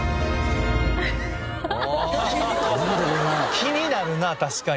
気になるな確かに。